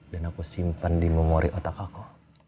dan aku simpan di memori otak aku